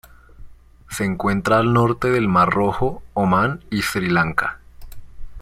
Se encuentra al norte del Mar Rojo, Omán y Sri Lanka.